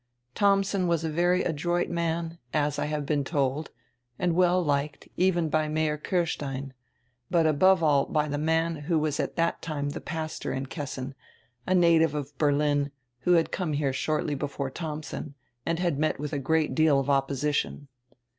Thomsen was a very adroit man, as I have been told, and well liked, even by Mayor Kirstein, but above all by tire man who was at that time the pastor in Kessin, a native of Berlin, who had come here shortly before Thomsen and had met with a great deal of oppo sition."